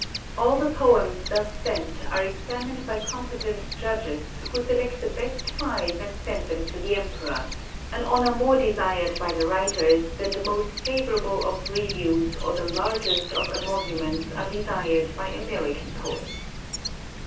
All the poems thus sent are examined by competent judges, who select the best five and send them to the Emperor, an honor more desired by the writers than the most favorable of reviews or the largest of emoluments are desired by American poets.